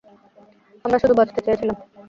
আমরা শুধু বাঁচতে চেয়েছিলাম।